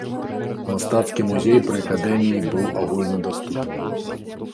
Мастацкі музей пры акадэміі быў агульнадаступным.